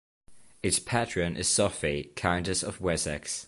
Its patron is Sophie, Countess of Wessex.